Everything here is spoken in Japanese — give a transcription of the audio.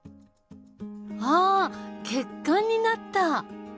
あ血管になった！